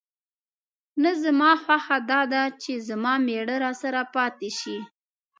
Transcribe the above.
نه، زما خوښه دا ده چې زما مېړه راسره پاتې شي.